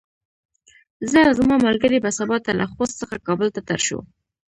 زه او زما ملګري به سبا ته له خوست څخه کابل ته درشو.